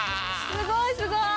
すごいすごい！